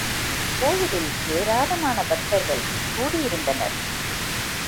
கோயிலில் ஏராளமான பக்தர்கள் கூடியிருந்தனர்.